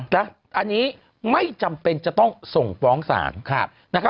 แต่อันนี้ไม่จำเป็นจะต้องส่งฟ้องศาล